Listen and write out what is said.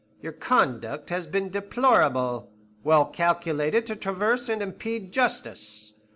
Your conduct has been deplorable, well calculated to traverse and impede justice.